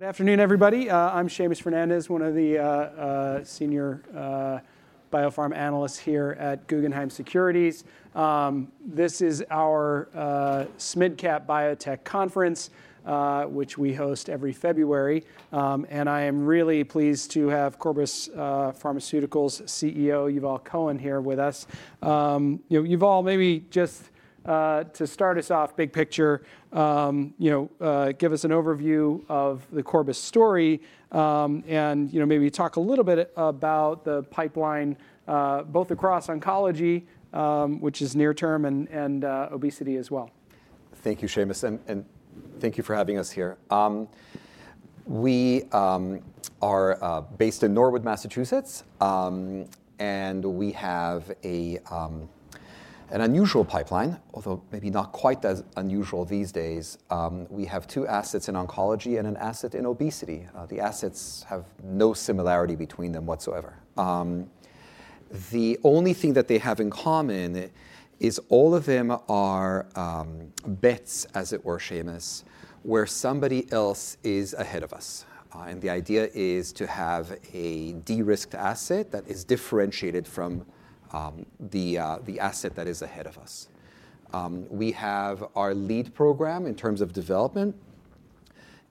Good afternoon, everybody. I'm Seamus Fernandez, one of the senior biopharma analysts here at Guggenheim Securities. This is our SMID Cap Biotech Conference, which we host every February. I am really pleased to have Corbus Pharmaceuticals CEO Yuval Cohen here with us. You know, Yuval, maybe just to start us off, big picture, you know, give us an overview of the Corbus story, and, you know, maybe talk a little bit about the pipeline, both across oncology, which is near term, and obesity as well. Thank you, Seamus, and thank you for having us here. We are based in Norwood, Massachusetts, and we have an unusual pipeline, although maybe not quite as unusual these days. We have two assets in oncology and an asset in obesity. The assets have no similarity between them whatsoever. The only thing that they have in common is all of them are bets, as it were, Seamus, where somebody else is ahead of us. The idea is to have a de-risked asset that is differentiated from the asset that is ahead of us. We have our lead program in terms of development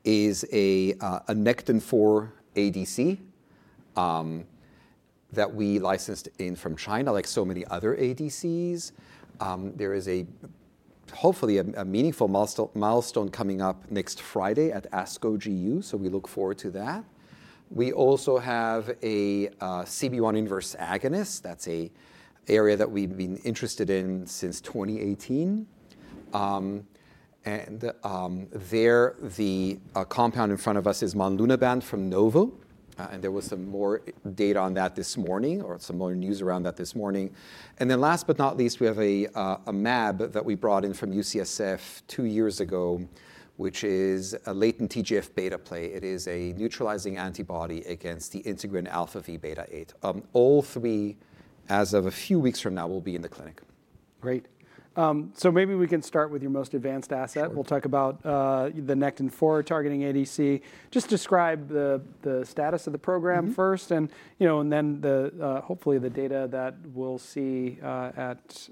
is a Nectin-4 ADC that we licensed in from China, like so many other ADCs. There is a, hopefully, a meaningful milestone coming up next Friday at ASCO GU, so we look forward to that. We also have a CB1 inverse agonist. That's an area that we've been interested in since 2018. There, the compound in front of us is monlunabant from Novo. There was some more data on that this morning, or some more news around that this morning. Last but not least, we have a mAb that we brought in from UCSF two years ago, which is a latent TGF-beta play. It is a neutralizing antibody against the integrin alpha-v beta-8. All three, as of a few weeks from now, will be in the clinic. Great. Maybe we can start with your most advanced asset. We'll talk about the Nectin-4 targeting ADC. Just describe the status of the program first, and, you know, and then the, hopefully the data that we'll see at,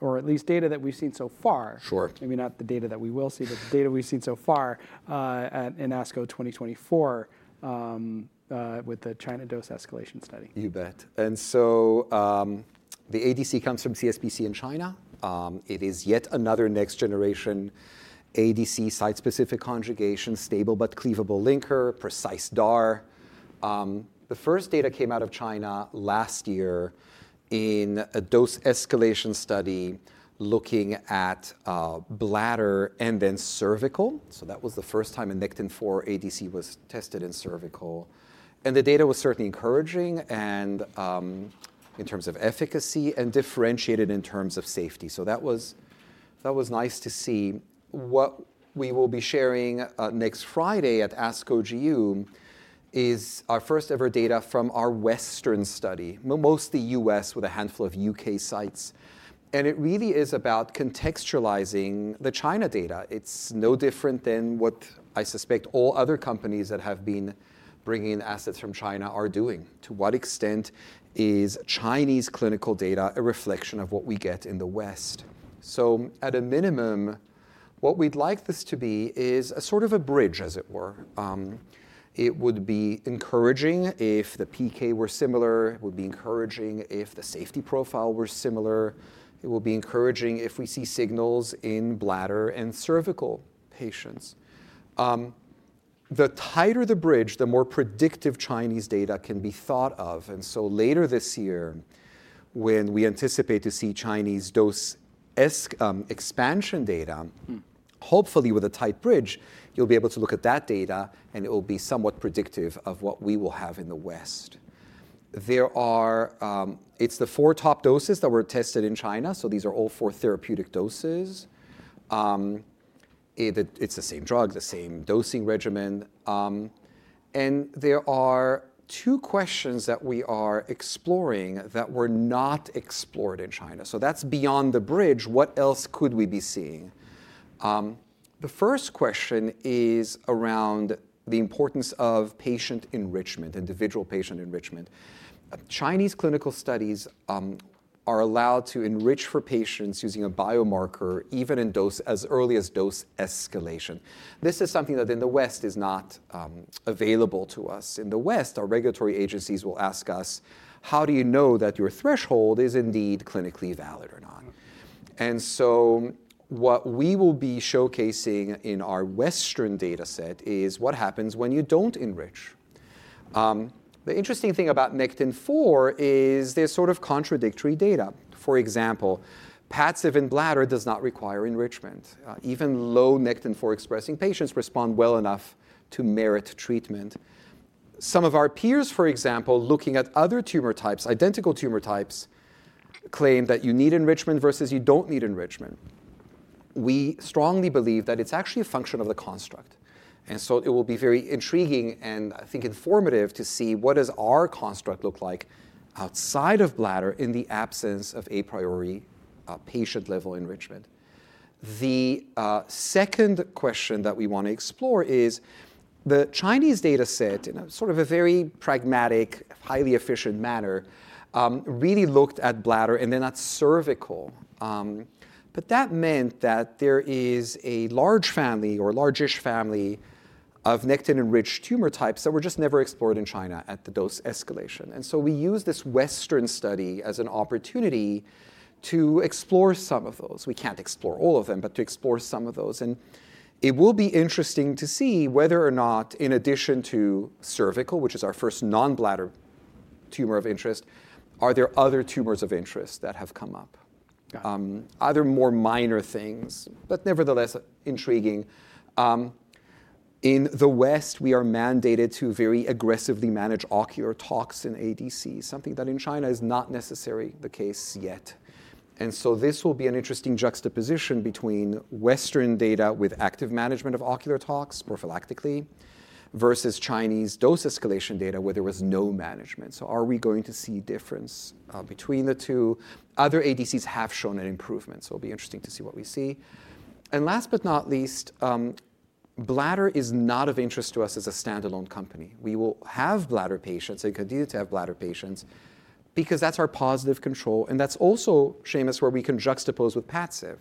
or at least data that we've seen so far. Sure. Maybe not the data that we will see, but the data we've seen so far, at in ASCO 2024, with the China dose escalation study. You bet. The ADC comes from CSPC in China. It is yet another next generation ADC, site-specific conjugation, stable but cleavable linker, precise DAR. The first data came out of China last year in a dose escalation study looking at bladder and then cervical. That was the first time a Nectin-4 ADC was tested in cervical. The data was certainly encouraging and, in terms of efficacy, and differentiated in terms of safety. That was nice to see. What we will be sharing next Friday at ASCO GU is our first ever data from our Western study, mostly US, with a handful of U.K. sites. It really is about contextualizing the China data. It's no different than what I suspect all other companies that have been bringing in assets from China are doing. To what extent is Chinese clinical data a reflection of what we get in the West? At a minimum, what we'd like this to be is a sort of a bridge, as it were. It would be encouraging if the PK were similar. It would be encouraging if the safety profile were similar. It will be encouraging if we see signals in bladder and cervical patients. The tighter the bridge, the more predictive Chinese data can be thought of. Later this year, when we anticipate to see Chinese dose expansion data, hopefully with a tight bridge, you'll be able to look at that data and it will be somewhat predictive of what we will have in the West. There are the four top doses that were tested in China. These are all four therapeutic doses. It is the same drug, the same dosing regimen. There are two questions that we are exploring that were not explored in China. That's beyond the bridge. What else could we be seeing? The first question is around the importance of patient enrichment, individual patient enrichment. Chinese clinical studies are allowed to enrich for patients using a biomarker even as early as dose escalation. This is something that in the West is not available to us. In the West, our regulatory agencies will ask us, how do you know that your threshold is indeed clinically valid or not? What we will be showcasing in our Western dataset is what happens when you do not enrich. The interesting thing about Nectin-4 is there is sort of contradictory data. For example, Padcev in bladder does not require enrichment. Even low Nectin-4 expressing patients respond well enough to merit treatment. Some of our peers, for example, looking at other tumor types, identical tumor types, claim that you need enrichment versus you don't need enrichment. We strongly believe that it's actually a function of the construct. It will be very intriguing and I think informative to see what does our construct look like outside of bladder in the absence of a priori, patient level enrichment. The second question that we want to explore is the Chinese dataset in a sort of a very pragmatic, highly efficient manner, really looked at bladder and then at cervical. That meant that there is a large family or largish family of Nectin enriched tumor types that were just never explored in China at the dose escalation. We use this Western study as an opportunity to explore some of those. We can't explore all of them, but to explore some of those. It will be interesting to see whether or not, in addition to cervical, which is our first non-bladder tumor of interest, are there other tumors of interest that have come up. Other more minor things, but nevertheless intriguing. In the West, we are mandated to very aggressively manage ocular tox in ADCs, something that in China is not necessarily the case yet. This will be an interesting juxtaposition between Western data with active management of ocular tox prophylactically versus Chinese dose escalation data where there was no management. Are we going to see difference, between the two? Other ADCs have shown an improvement, so it'll be interesting to see what we see. Last but not least, bladder is not of interest to us as a standalone company. We will have bladder patients, continue to have bladder patients, because that's our positive control. That's also, Seamus, where we can juxtapose with Padcev.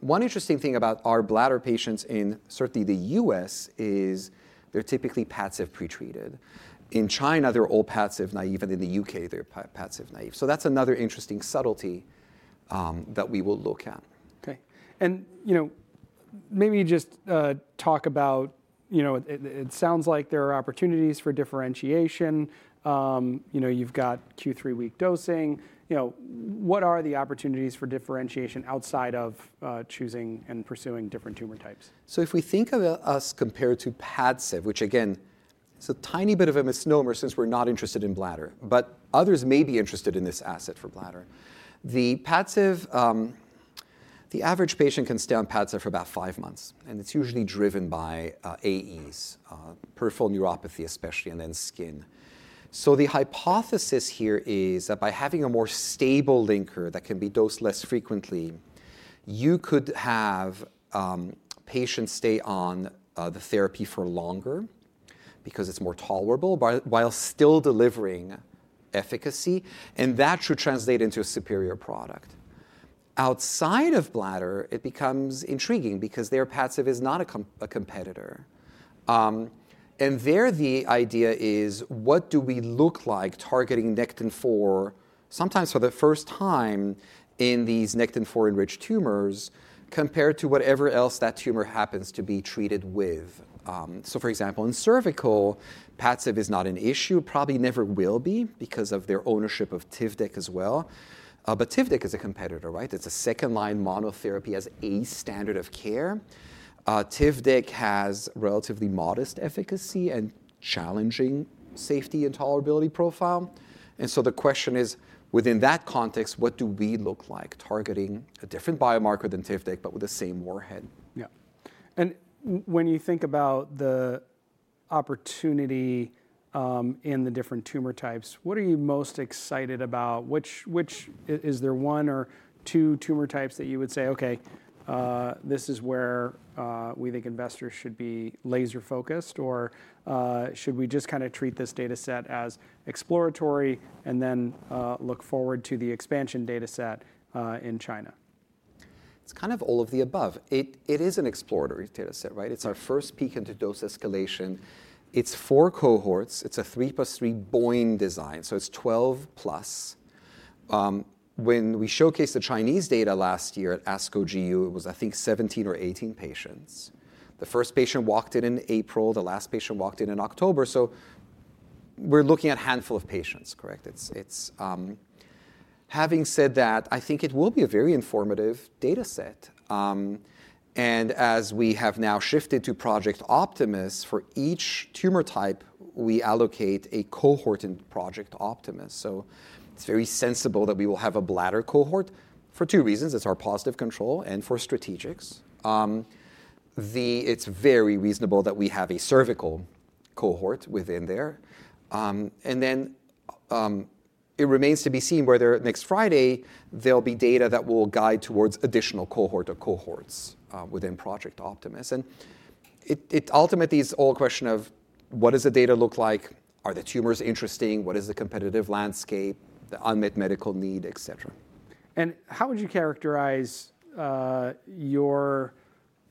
One interesting thing about our bladder patients in certainly the U.S. is they're typically Padcev pretreated. In China, they're all Padcev naive, and in the U.K., they're Padcev naive. That's another interesting subtlety, that we will look at. Okay. You know, maybe just talk about, you know, it sounds like there are opportunities for differentiation. You know, you've got Q3 week dosing. You know, what are the opportunities for differentiation outside of choosing and pursuing different tumor types? If we think of us compared to Padcev, which again, it's a tiny bit of a misnomer since we're not interested in bladder, but others may be interested in this asset for bladder. The Padcev, the average patient can stay on Padcev for about five months, and it's usually driven by AEs, peripheral neuropathy especially, and then skin. The hypothesis here is that by having a more stable linker that can be dosed less frequently, you could have patients stay on the therapy for longer because it's more tolerable while still delivering efficacy, and that should translate into a superior product. Outside of bladder, it becomes intriguing because their Padcev is not a competitor. And there the idea is, what do we look like targeting Nectin-4, sometimes for the first time in these Nectin-4 enriched tumors compared to whatever else that tumor happens to be treated with? For example, in cervical, Padcev is not an issue, probably never will be because of their ownership of Tivdak as well. Tivdak is a competitor, right? It's a second line monotherapy as a standard of care. Tivdak has relatively modest efficacy and challenging safety and tolerability profile. The question is, within that context, what do we look like targeting a different biomarker than Tivdak, but with the same warhead? Yeah. When you think about the opportunity in the different tumor types, what are you most excited about? Is there one or two tumor types that you would say, okay, this is where we think investors should be laser focused, or should we just kind of treat this dataset as exploratory and then look forward to the expansion dataset in China? It's kind of all of the above. It is an exploratory dataset, right? It's our first peek into dose escalation. It's four cohorts. It's a three plus three BOIN design. So it's 12 plus. When we showcased the Chinese data last year at ASCO GU, it was, I think, 17 or 18 patients. The first patient walked in in April. The last patient walked in in October. So we're looking at a handful of patients, correct? It's, it's, having said that, I think it will be a very informative dataset. And as we have now shifted to Project Optimus, for each tumor type, we allocate a cohort in Project Optimus. So it's very sensible that we will have a bladder cohort for two reasons. It's our positive control and for strategics. It's very reasonable that we have a cervical cohort within there. It remains to be seen whether next Friday there'll be data that will guide towards additional cohort or cohorts, within Project Optimus. It ultimately is all a question of what does the data look like? Are the tumors interesting? What is the competitive landscape, the unmet medical need, et cetera? How would you characterize your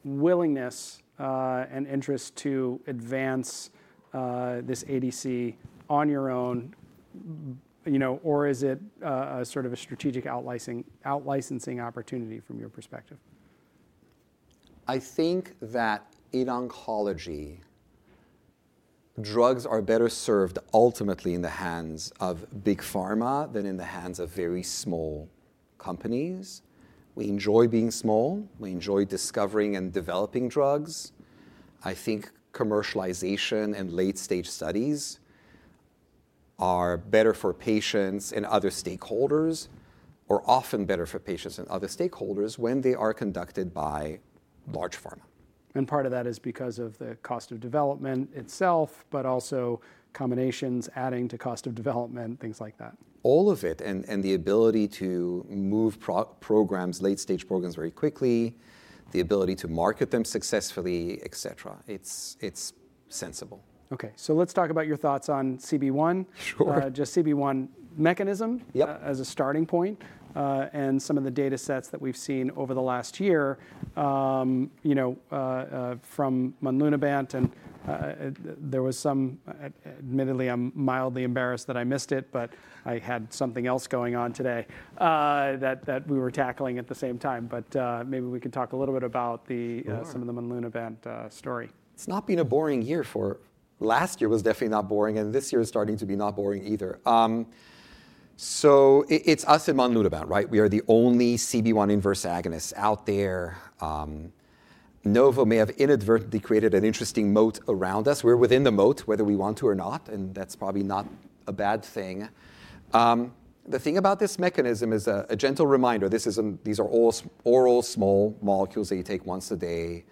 willingness and interest to advance this ADC on your own, you know, or is it a sort of a strategic outlicensing opportunity from your perspective? I think that in oncology, drugs are better served ultimately in the hands of big pharma than in the hands of very small companies. We enjoy being small. We enjoy discovering and developing drugs. I think commercialization and late stage studies are better for patients and other stakeholders, or often better for patients and other stakeholders when they are conducted by large pharma. Part of that is because of the cost of development itself, but also combinations adding to cost of development, things like that. All of it and the ability to move programs, late stage programs very quickly, the ability to market them successfully, et cetera. It's sensible. Okay. Let's talk about your thoughts on CB1. Sure. just CB1 mechanism. Yep. As a starting point, and some of the datasets that we've seen over the last year, you know, from monlunabant and, there was some, admittedly, I'm mildly embarrassed that I missed it, but I had something else going on today, that we were tackling at the same time. Maybe we could talk a little bit about the, some of the monlunabant story. It's not been a boring year for, last year was definitely not boring, and this year is starting to be not boring either. It's us and monlunabant, right? We are the only CB1 inverse agonist out there. Novo may have inadvertently created an interesting moat around us. We're within the moat whether we want to or not, and that's probably not a bad thing. The thing about this mechanism is a gentle reminder. These are all small molecules that you take once a day.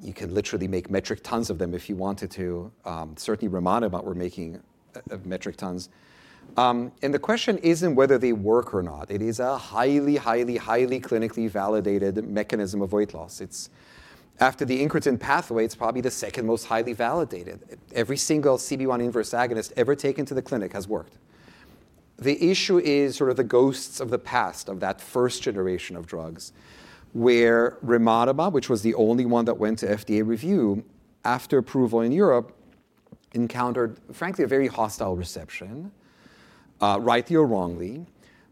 You can literally make metric tons of them if you wanted to. Certainly rimonabant, we're making metric tons. The question isn't whether they work or not. It is a highly, highly, highly clinically validated mechanism of weight loss. After the incretin pathway, it's probably the second most highly validated. Every single CB1 inverse agonist ever taken to the clinic has worked. The issue is sort of the ghosts of the past of that first generation of drugs where rimonabant, which was the only one that went to FDA review after approval in Europe, encountered, frankly, a very hostile reception, rightly or wrongly,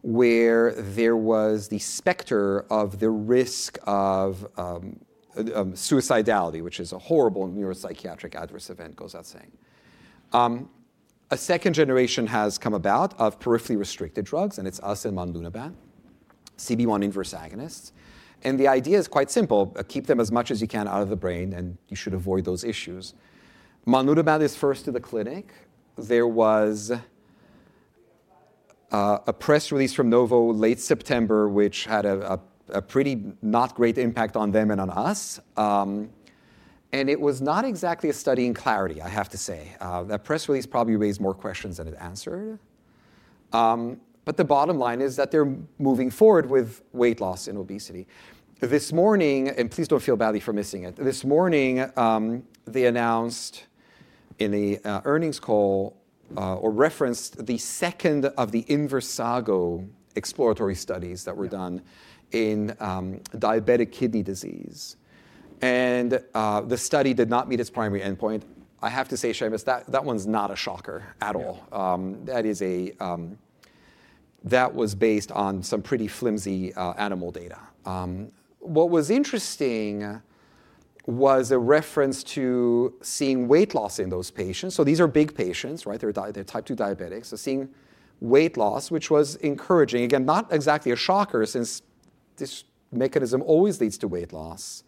where there was the specter of the risk of suicidality, which is a horrible neuropsychiatric adverse event, goes without saying. A second generation has come about of peripherally restricted drugs, and it's us and monlunabant, CB1 inverse agonists. The idea is quite simple. Keep them as much as you can out of the brain, and you should avoid those issues. monlunabant is first to the clinic. There was a press release from Novo late September, which had a pretty not great impact on them and on us. It was not exactly a study in clarity, I have to say. That press release probably raised more questions than it answered. The bottom line is that they're moving forward with weight loss and obesity. This morning, and please don't feel badly for missing it. This morning, they announced in the earnings call, or referenced the second of the Inversago exploratory studies that were done in diabetic kidney disease. The study did not meet its primary endpoint. I have to say, Seamus, that one's not a shocker at all. That was based on some pretty flimsy animal data. What was interesting was a reference to seeing weight loss in those patients. These are big patients, right? They're type two diabetics. Seeing weight loss, which was encouraging, again, not exactly a shocker since this mechanism always leads to weight loss.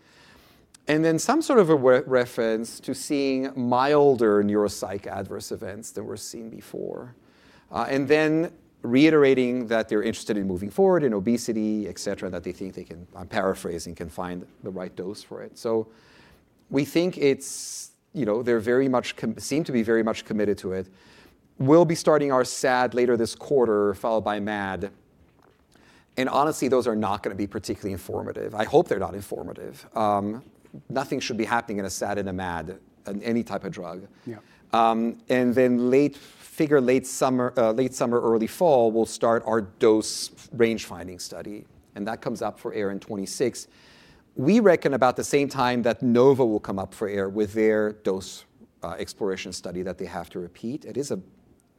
There was some sort of a reference to seeing milder neuropsych adverse events than were seen before, and then reiterating that they're interested in moving forward in obesity, et cetera, that they think they can, I'm paraphrasing, can find the right dose for it. We think it's, you know, they very much seem to be very much committed to it. We'll be starting our SAD later this quarter, followed by MAD. Honestly, those are not going to be particularly informative. I hope they're not informative. Nothing should be happening in a SAD and a MAD, any type of drug. Yeah. And then late summer, late summer, early fall, we'll start our dose range finding study. And that comes up for air in 2026. We reckon about the same time that Novo will come up for air with their dose exploration study that they have to repeat. It is a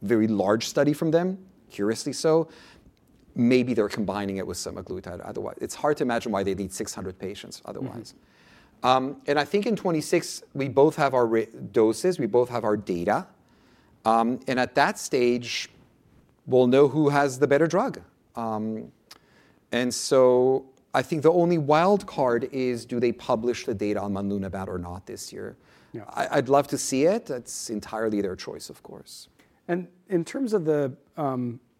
very large study from them, curiously so. Maybe they're combining it with semaglutide. Otherwise, it's hard to imagine why they need 600 patients otherwise. And I think in 2026, we both have our doses. We both have our data. And at that stage, we'll know who has the better drug. And so I think the only wild card is, do they publish the data on monlunabant or not this year? Yeah. I'd love to see it. It's entirely their choice, of course. In terms of the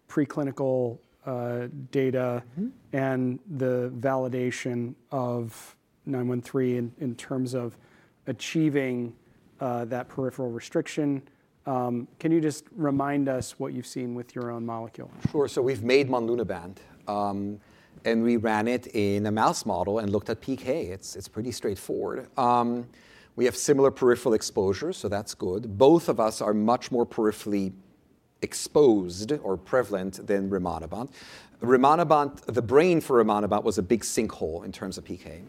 preclinical data and the validation of 913 in terms of achieving that peripheral restriction, can you just remind us what you've seen with your own molecule? Sure. We've made monlunabant, and we ran it in a mouse model and looked at PK. It's pretty straightforward. We have similar peripheral exposure, so that's good. Both of us are much more peripherally exposed or prevalent than rimonabant. rimonabant, the brain for rimonabant was a big sinkhole in terms of PK.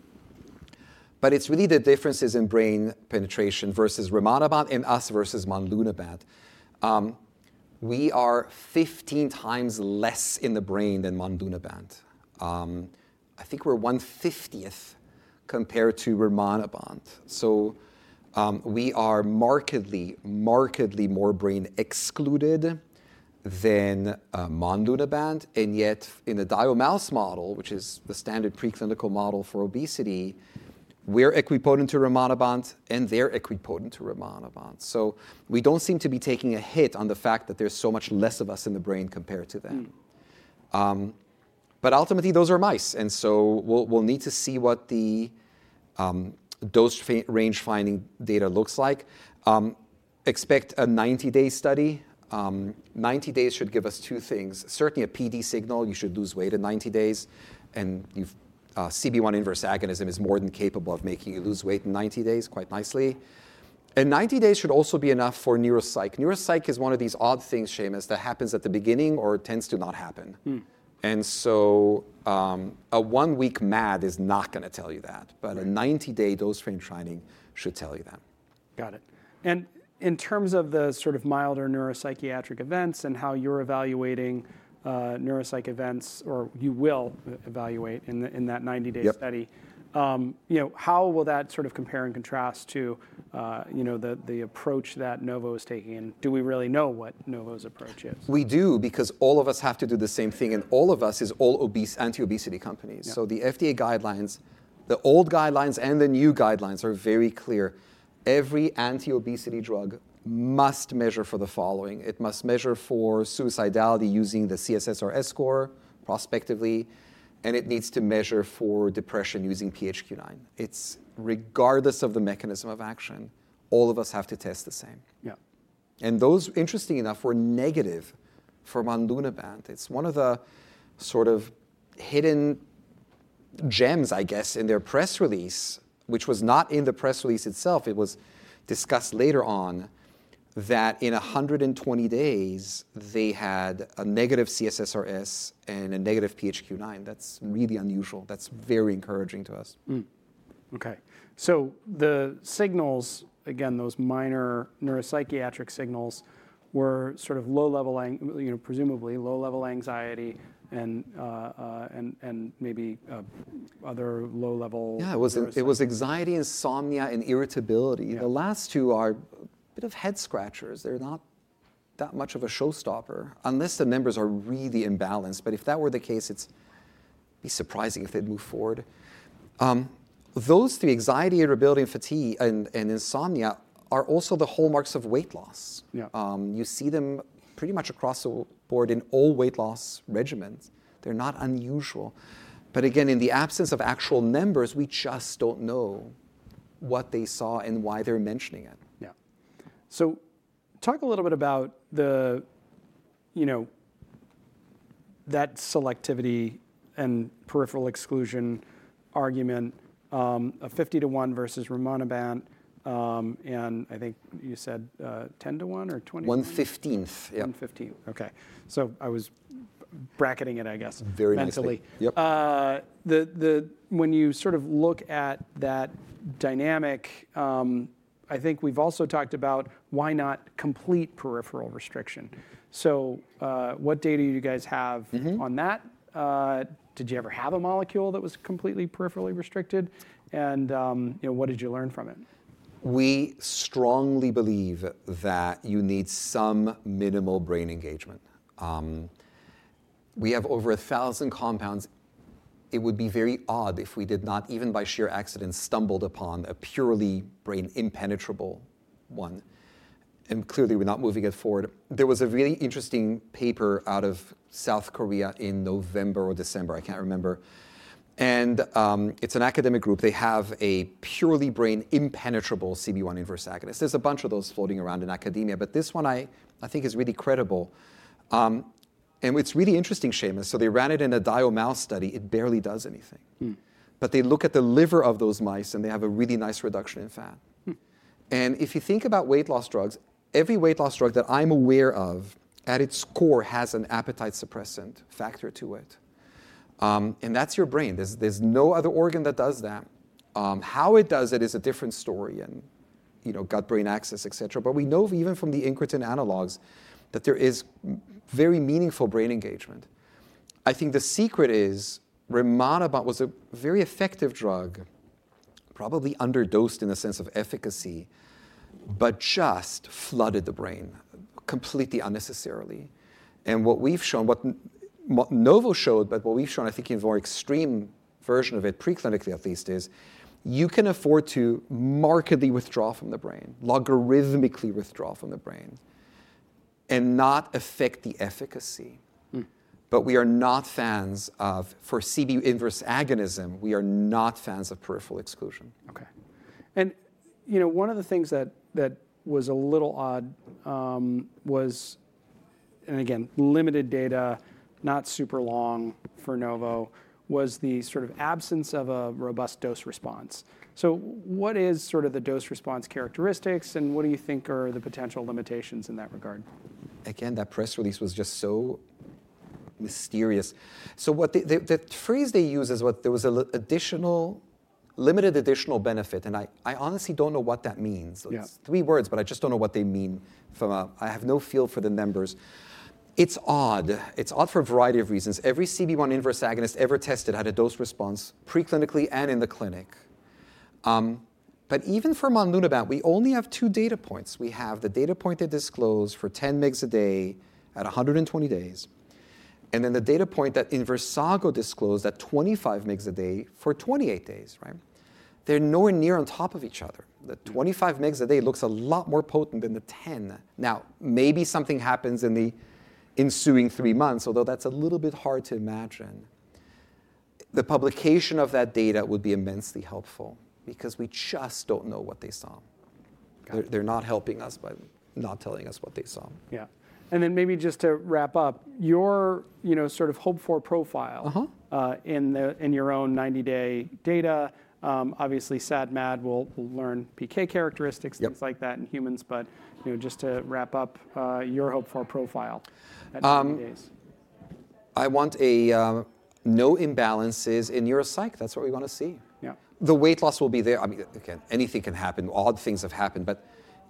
It's really the differences in brain penetration versus rimonabant and us versus monlunabant. We are 15 times less in the brain than monlunabant. I think we're one-fiftieth compared to rimonabant. We are markedly, markedly more brain excluded than monlunabant. Yet in the DIO mouse model, which is the standard preclinical model for obesity, we're equipotent to rimonabant and they're equipotent to rimonabant. We do not seem to be taking a hit on the fact that there is so much less of us in the brain compared to them. Ultimately those are mice, and we will need to see what the dose range finding data looks like. Expect a 90-day study. Ninety days should give us two things. Certainly a PD signal, you should lose weight in 90 days. CB1 inverse agonism is more than capable of making you lose weight in 90 days quite nicely. Ninety days should also be enough for neuropsych. Neuropsych is one of these odd things, Seamus, that happens at the beginning or tends to not happen. A one-week MAD is not going to tell you that, but a 90-day dose range finding should tell you that. Got it. In terms of the sort of milder neuropsychiatric events and how you're evaluating, neuropsych events, or you will evaluate in that 90-day study, you know, how will that sort of compare and contrast to, you know, the, the approach that Novo is taking? Do we really know what Novo's approach is? We do, because all of us have to do the same thing. All of us is all obese, anti-obesity companies. The FDA guidelines, the old guidelines and the new guidelines are very clear. Every anti-obesity drug must measure for the following. It must measure for suicidality using the C-SSRS score prospectively. It needs to measure for depression using PHQ-9. It's regardless of the mechanism of action, all of us have to test the same. Yeah. Those, interesting enough, were negative for monlunabant. It's one of the sort of hidden gems, I guess, in their press release, which was not in the press release itself. It was discussed later on that in 120 days, they had a negative C-SSRS and a negative PHQ-9. That's really unusual. That's very encouraging to us. Okay. The signals, again, those minor neuropsychiatric signals were sort of low-level, you know, presumably low-level anxiety and, and maybe other low-level. Yeah, it was, it was anxiety, insomnia, and irritability. The last two are a bit of head scratchers. They're not that much of a showstopper, unless the numbers are really imbalanced. If that were the case, it'd be surprising if they'd move forward. Those three, anxiety, irritability, and fatigue, and, and insomnia are also the hallmarks of weight loss. Yeah. You see them pretty much across the board in all weight loss regimens. They're not unusual. In the absence of actual numbers, we just don't know what they saw and why they're mentioning it. Yeah. Talk a little bit about the, you know, that selectivity and peripheral exclusion argument, of 50 to 1 versus rimonabant, and I think you said, 10 to 1 or 20. One fifteenth. One fifteenth. Okay. I was bracketing it, I guess. Very nicely. Mentally. Yep. When you sort of look at that dynamic, I think we've also talked about why not complete peripheral restriction. What data do you guys have on that? Did you ever have a molecule that was completely peripherally restricted? You know, what did you learn from it? We strongly believe that you need some minimal brain engagement. We have over a thousand compounds. It would be very odd if we did not, even by sheer accident, stumble upon a purely brain impenetrable one. Clearly we are not moving it forward. There was a really interesting paper out of South Korea in November or December. I cannot remember. It is an academic group. They have a purely brain impenetrable CB1 inverse agonist. There are a bunch of those floating around in academia, but this one I think is really credible. It is really interesting, Seamus. They ran it in a DIO mouse study. It barely does anything. They look at the liver of those mice and they have a really nice reduction in fat. If you think about weight loss drugs, every weight loss drug that I'm aware of, at its core, has an appetite suppressant factor to it. That's your brain. There's no other organ that does that. How it does it is a different story and, you know, gut-brain axis, et cetera. We know even from the incretin analogs that there is very meaningful brain engagement. I think the secret is rimonabant was a very effective drug, probably underdosed in the sense of efficacy, but just flooded the brain completely unnecessarily. What we've shown, what Novo showed, but what we've shown, I think in a more extreme version of it, preclinically at least, is you can afford to markedly withdraw from the brain, logarithmically withdraw from the brain and not affect the efficacy. We are not fans of, for CB inverse agonism, we are not fans of peripheral exclusion. Okay. You know, one of the things that was a little odd was, and again, limited data, not super long for Novo, was the sort of absence of a robust dose response. What is sort of the dose response characteristics and what do you think are the potential limitations in that regard? Again, that press release was just so mysterious. The phrase they use is that there was a limited additional benefit. I honestly don't know what that means. It's three words, but I just don't know what they mean from a, I have no feel for the numbers. It's odd. It's odd for a variety of reasons. Every CB1 inverse agonist ever tested had a dose response preclinically and in the clinic. Even for monlunabant, we only have two data points. We have the data point that disclosed for 10 mg a day at 120 days, and then the data point that Inversago disclosed at 25 mg a day for 28 days, right? They're nowhere near on top of each other. The 25 mg a day looks a lot more potent than the 10. Now, maybe something happens in the ensuing three months, although that's a little bit hard to imagine. The publication of that data would be immensely helpful because we just don't know what they saw. They're not helping us by not telling us what they saw. Yeah. Maybe just to wrap up, your, you know, sort of hope for profile, in the, in your own 90-day data, obviously SAD, MAD will, will learn PK characteristics, things like that in humans. But, you know, just to wrap up, your hope for profile at 90 days. I want a, no imbalances in neuropsych. That's what we want to see. Yeah. The weight loss will be there. I mean, again, anything can happen. Odd things have happened, but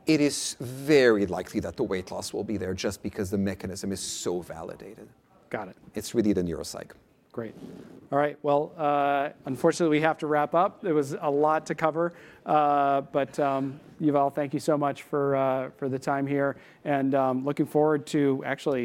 it is very likely that the weight loss will be there just because the mechanism is so validated. Got it. It's really the neuropsych. Great. All right. Unfortunately we have to wrap up. It was a lot to cover, but, Yuval, thank you so much for the time here. Looking forward to actually.